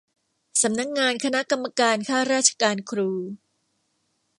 สำนักงานคณะกรรมการข้าราชการครู